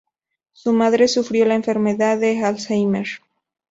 Su madre sufrió la enfermedad de Alzheimer.